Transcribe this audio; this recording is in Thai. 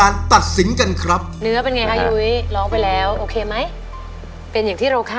นะครับน้องคิดว่าหนูร้องถูกนะค่ะน้องคิดว่าหนูร้องถูกนะ